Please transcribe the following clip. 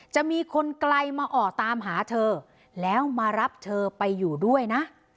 จะมีคนไกลมาออกตามหาเธอแล้วมารับเธอไปอยู่ด้วยนะ